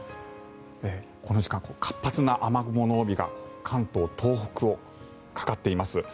この時間、活発な雨雲の帯が関東、東北にかかっています。